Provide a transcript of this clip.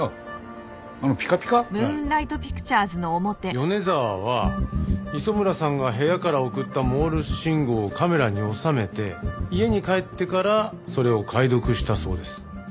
米澤は磯村さんが部屋から送ったモールス信号をカメラに収めて家に帰ってからそれを解読したそうです。